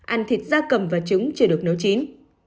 ăn thịt da cầm và trứng chưa được nấu chín